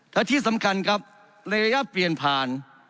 และที่สำคัญครับระยะเปลี่ยนผ่าน